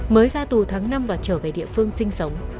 mới ra tù tháng năm và trở về địa phương sinh sống